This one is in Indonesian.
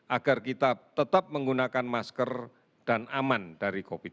agar kita tetap menggunakan masker dan aman dari covid sembilan belas